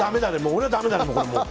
俺はだめだね。